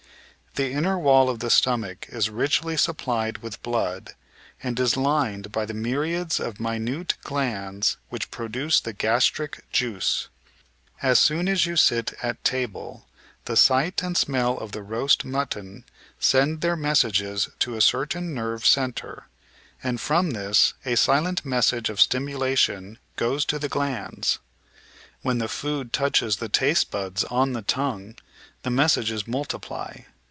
The inner wall of the stomach is richly supplied with blood, and is lined by the myriads of minute glands which produce the "gastric juice." As soon as you sit at table, the sight and smell of the roast mutton send their messages to a certain nerve centre, and from this a silent message of stimulation goes to the glands. ^Sir Arthur Keith, The Engineeta of the Human Body. 326 The Outline of Science When the food touches the taste buds on the tongue, the messages multiply.